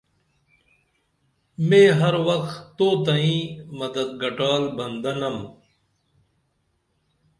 میں ہر وخ توتئیں مدد گٹال بندہ نم